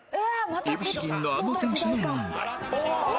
いぶし銀のあの選手の問題